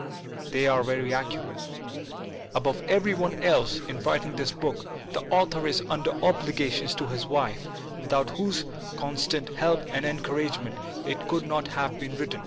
They are very accurate. Above every one else, in writing this book, the author is under obligations to his wife, without whose constant help and encouragement it could not have been written.